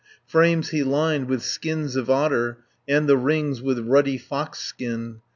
Frames he lined with skins of otter, And the rings with ruddy foxskin.